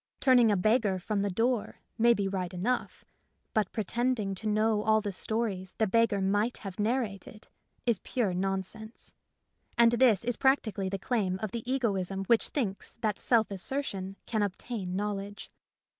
Turning a beggar from the door may be right enough, but pretending to know all the stories the beggar might have narrated is pure non sense ; and this is practically the claim of the egoism which thinks that self assertion can obtain knowledge.